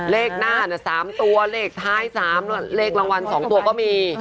เลขหน้า๓ตัวเลขท้าย๓เลขรางวัล๒ตัวก็มี